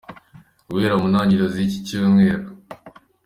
Guhera mu ntangiriro z’iki Cyumweru.